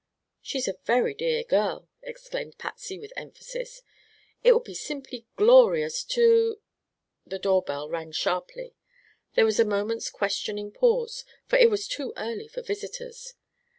"She's a very dear girl!" exclaimed Patsy, with emphasis. "It will be simply glorious to " The doorbell rang sharply. There was a moment's questioning pause, for it was too early for visitors.